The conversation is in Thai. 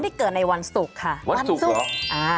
คนที่เกิดในวันศุกร์ค่ะวันศุกร์วันศุกร์เหรอ